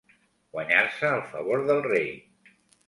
Guanyar-se el favor del rei.